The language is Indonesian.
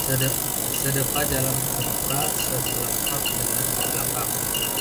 Sedepa jalan kemuka, setelempap jalan kebelakang